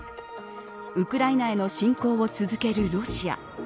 ウクライナへの侵攻を続けるロシア。